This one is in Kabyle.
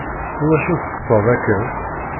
Iwacu teṭṭseḍ akken?